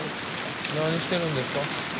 何してるんですか？